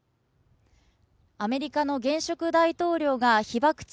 アメリカの現職大統領が被爆地